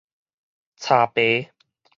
柴耙